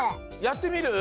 やってみる。